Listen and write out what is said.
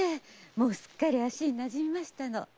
もうすっかり足に馴染みましたの。